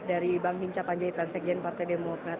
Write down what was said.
dari bank hinca panjai transsegjen partai demokrat